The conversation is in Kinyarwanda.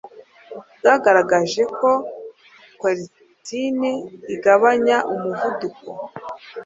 bwagaragaje ko iyo 'quercétine' igabanya umuvuduko